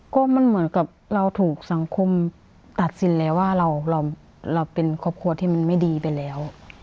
ก็มันเหมือนกับเราถูกสังคมตัดสินแล้วว่าเราเป็นครอบครัวที่มันไม่ดีไปแล้ว